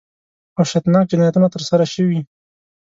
وحشتناک جنایتونه ترسره شوي.